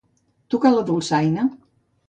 Tocar la dolçaina.